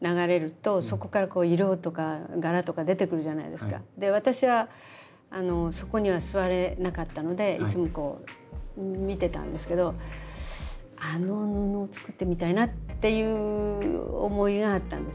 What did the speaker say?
あれとかやっぱりこう私はそこには座れなかったのでいつもこう見てたんですけどあの布を作ってみたいなっていう思いがあったんですね。